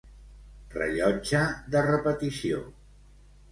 Rellotge de repetició.